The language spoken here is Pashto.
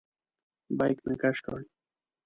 بیک مې کش کړ.